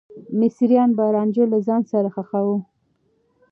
مصريان به رانجه له ځان سره ښخاوه.